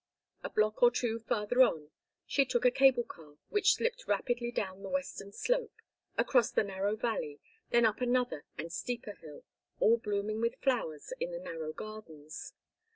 A block or two farther on she took a cable car which slipped rapidly down the western slope, across the narrow valley, then up another and steeper hill, all blooming with flowers in the narrow gardens.